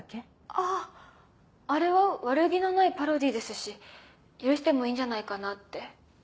あぁあれは悪気のないパロディーですし許してもいいんじゃないかなって。